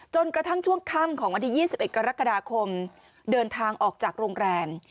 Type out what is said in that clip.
กระทั่งช่วงค่ำของวันที่๒๑กรกฎาคมเดินทางออกจากโรงแรม